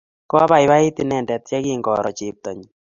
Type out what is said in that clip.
Kopaipait inendet yekingoro cheptonyi